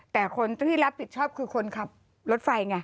แต่คนที่รับผิดชอบคือคนขับรถไฟไง